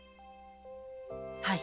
はい。